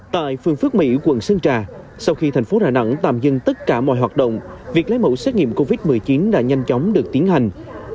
tại phường phước mỹ quận sơn trà sau khi thành phố đà nẵng tạm dừng tất cả mọi hoạt động việc lấy mẫu xét nghiệm covid một mươi chín đã nhanh chóng được tiến hành